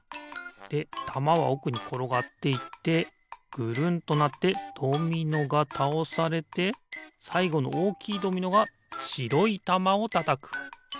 でたまはおくにころがっていってぐるんとなってドミノがたおされてさいごのおおきいドミノがしろいたまをたたく。